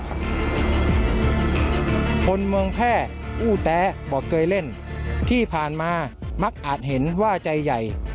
คนเมืองแพร่อู้แต๊บอกเคยเล่นที่ผ่านมามักอาจเห็นว่าใจใหญ่